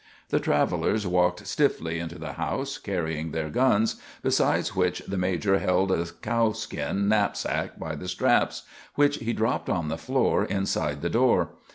The travelers walked stiffly into the house, carrying their guns, besides which the major held a cow skin knapsack by the straps, which he dropped on the floor inside the door.